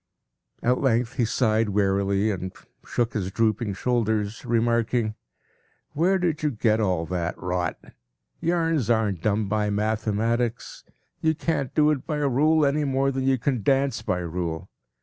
At length he sighed wearily and shook his drooping shoulders, remarking: “Where did you get all that rot? Yarns aren’t done by mathematics. You can’t do it by rule any more than you can dance by rule.